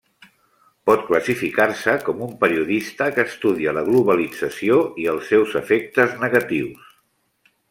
Pot classificar-se com un periodista que estudia la globalització i els seus efectes negatius.